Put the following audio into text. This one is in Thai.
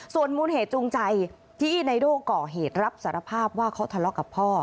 ส่วนมูลเหตุจูงใจที่ไนโด่ก่อเหตุรับสารภาพว่าเขาทะเลาะกับพ่อ